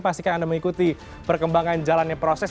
pastikan anda mengikuti perkembangan jalannya proses